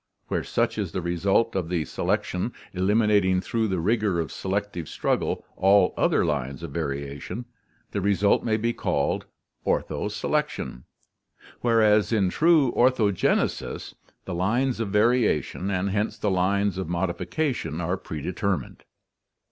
Where such is the result of the selection eliminating through the rigor of selective struggle all other lines of variation, the result may be called ortho selection^ whereas in true orthogenesis the lines of varia tion, and hence the lines of modification, are predetermined.